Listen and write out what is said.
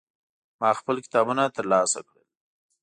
ما خپل کتابونه ترلاسه کړل.